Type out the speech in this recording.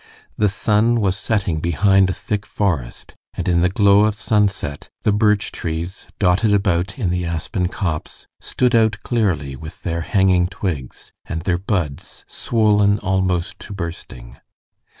The sun was setting behind a thick forest, and in the glow of sunset the birch trees, dotted about in the aspen copse, stood out clearly with their hanging twigs, and their buds swollen almost to bursting.